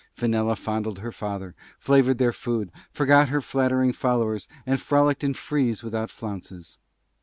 Fenella Fondled her Father, Flavoured their Food, Forgot her Flattering Followers, and Frolickled in Frieze without Flounces.